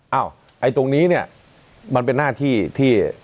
เอ้าไอ้ตรงนี้มันเป็นน่าที่ที่